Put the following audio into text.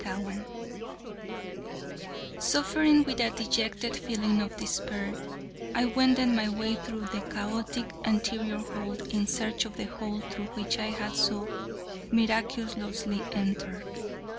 CHAPTER XXII Suffering with a dejected feeling of despair, I wended my way through the chaotic anterior hall in search of the hole through which I had so miraculously entered.